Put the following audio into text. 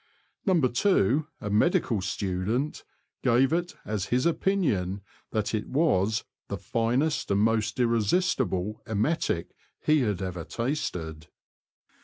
" Number Two, a medical student, gave it as his opinion that it was " the finest and most irresistible emetic he had ever tasted."